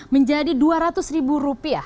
menjadi rp dua ratus